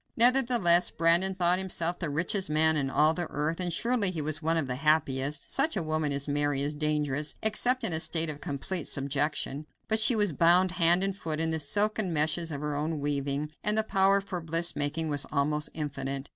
Nevertheless, Brandon thought himself the richest man in all the earth, and surely he was one of the happiest. Such a woman as Mary is dangerous, except in a state of complete subjection but she was bound hand and foot in the silken meshes of her own weaving, and her power for bliss making was almost infinite.